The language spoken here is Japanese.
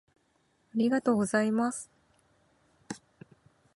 ありがとうございます